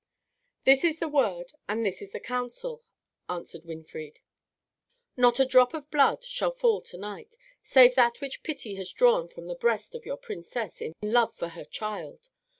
"This is the word, and this is the counsel," answered Winfried. "Not a drop of blood shall fall to night, save that which pity has drawn from the breast of your princess, in love for her child.